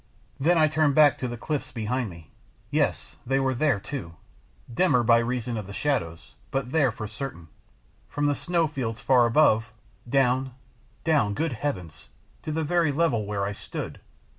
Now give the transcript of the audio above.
Then I turned back to the cliffs behind me. Yes! they ere there too, dimmer by reason of the shadows, but there for certain, from the snowfields far above down, down good Heavens! to the very level where I stood.